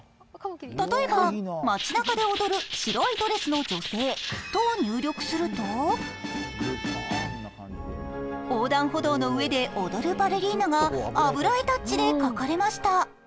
例えば、「街なかで踊る白いドレスの女性」と入力すると、横断歩道の上で踊るバレリーナが油絵タッチで描かれました。